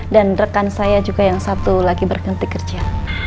dan rekan saya juga yang sabtu lagi berhenti kerja